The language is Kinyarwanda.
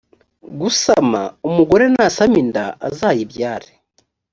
gusama umugore nasama inda azayibyare